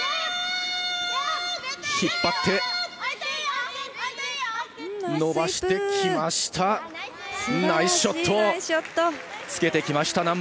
引っ張って伸ばしてきました。